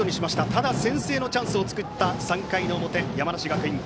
ただ先制のチャンスを作った３回の表、山梨学院。